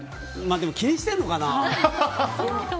気にしてるのかな。